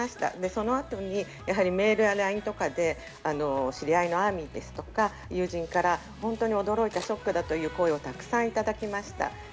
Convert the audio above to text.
その後にメールやＬＩＮＥとかで知り合いのＡＲＭＹとか友人から本当に驚いた、ショックだという声をたくさんいただきました。